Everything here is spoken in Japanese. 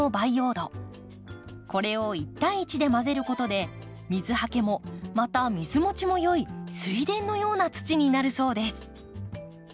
これを１対１で混ぜることで水はけもまた水もちもよい水田のような土になるそうです。